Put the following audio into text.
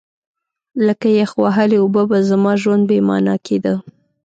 لکه یخ وهلې اوبه به زما ژوند بې مانا کېده.